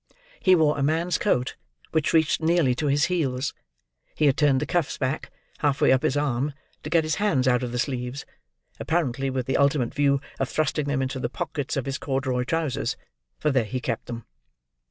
He wore a man's coat, which reached nearly to his heels. He had turned the cuffs back, half way up his arm, to get his hands out of the sleeves: apparently with the ultimate view of thrusting them into the pockets of his corduroy trousers; for there he kept them.